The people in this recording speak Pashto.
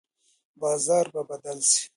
بازار به بدل شي.